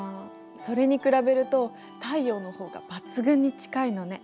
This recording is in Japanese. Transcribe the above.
それに比べると太陽の方が抜群に近いのね。